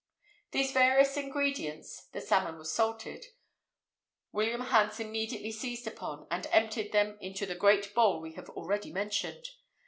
These various ingredients (the salmon was salted) William Hans immediately seized upon, and emptied them into the great bowl we have already mentioned.